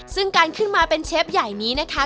ซึ่งการขึ้นมาเป็นเชฟใหญ่นี้นะคะ